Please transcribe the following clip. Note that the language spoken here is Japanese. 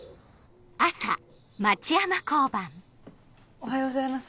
おはようございます。